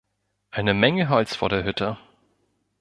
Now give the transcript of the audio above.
Eine Menge Holz vor der Hütte.